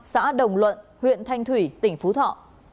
xã đồng luận huyện thanh thủy tỉnh phú thọ